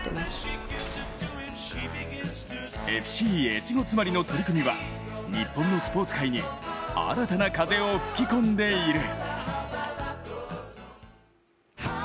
ＦＣ越後妻有の取り組みは日本のスポーツ界に新たな風を吹き込んでいる。